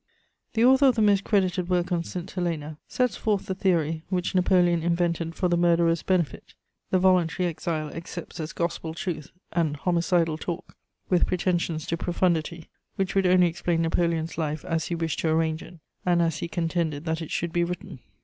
The author of the most credited work on St. Helena sets forth the theory which Napoleon invented for the murderer's benefit; the voluntary exile accepts as Gospel truth an homicidal talk, with pretensions to profundity, which would only explain Napoleon's life as he wished to arrange it, and as he contended that it should be written.